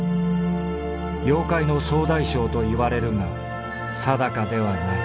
妖怪の総大将といわれるが定かではない」。